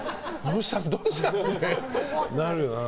どうしたのってなるよな。